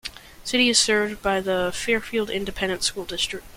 The city is served by the Fairfield Independent School District.